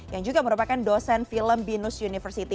yang juga merupakan dosen film binus university